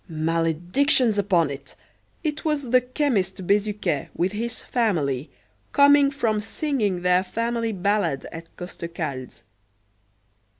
Maledictions upon it! It was the chemist Bezuquet, with his family, coming from singing their family ballad at Costecalde's.